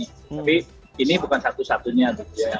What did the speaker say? tapi ini bukan satu satunya